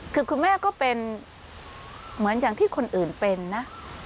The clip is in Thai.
คือคุณแม่ก็เป็นเหมือนอย่างที่คนอื่นเป็นนะ